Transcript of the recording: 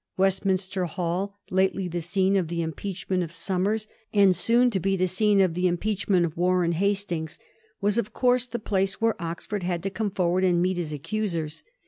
West minster Hall, lately the scene of the impeachment of Somers, and soon to be the scene of the impeach ment of Warren Hastings, was of course the place where Oxford had to come forward and meet his accusers.